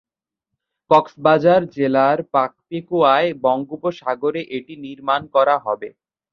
কক্সবাজার জেলার পেকুয়ায় বঙ্গোপসাগরে এটি নির্মাণ করা হবে।